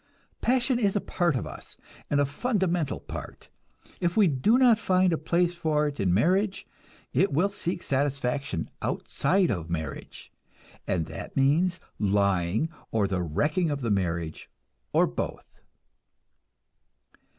Passion is a part of us, and a fundamental part. If we do not find a place for it in marriage, it will seek satisfaction outside of marriage, and that means lying, or the wrecking of the marriage, or both.